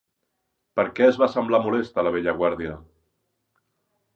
Per què es va semblar molesta la vella guàrdia?